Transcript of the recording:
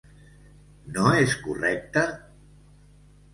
No és correcte?